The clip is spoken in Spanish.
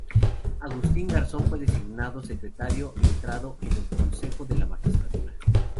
Agustín Garzón fue designado secretario letrado en el Consejo de la Magistratura.